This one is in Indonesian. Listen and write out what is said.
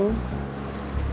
dari bos saeb